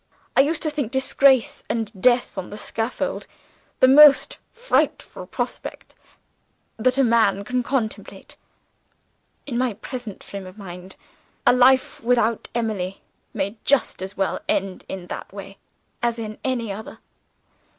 I used to think disgrace, and death on the scaffold, the most frightful prospect that a man can contemplate. In my present frame of mind, a life without Emily may just as well end in that way as in any other.